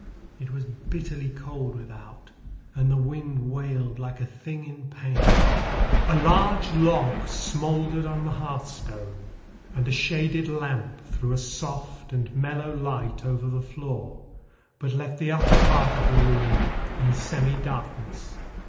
It was bitterly cold without, and the wind wailed like a thing in pain. A large log smouldered on the hearthstone, and a shaded lamp threw a soft and mellow light over the floor, but left the upper part of the room in semi darkness.